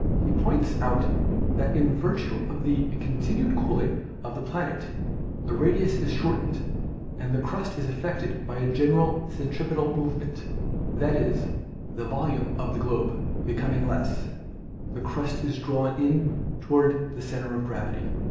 He points out that in virtue of the continued cooling of the planet the radius is shortened and the crust is affected by a general centripetal movement; that is, the volume of the globe becoming less, the crust is drawn in toward the center of gravity.